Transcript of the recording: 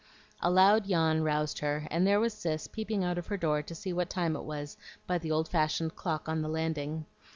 A loud yawn roused her, and there was Cis peeping out of her door to see what time it was by the old fashioned clock on the landing.